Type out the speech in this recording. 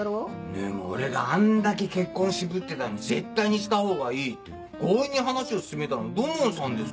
でも俺があんだけ結婚を渋ってたのに「絶対にした方がいい」って強引に話を進めたのは土門さんですから。